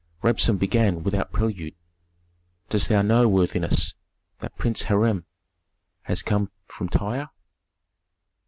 Rabsun began without prelude, "Dost thou know, worthiness, that Prince Hiram has come from Tyre?"